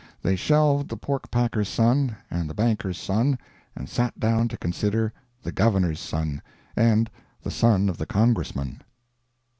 They shelved the pork packer's son and the banker's son, and sat down to consider the Governor's son and the son of the Congressman.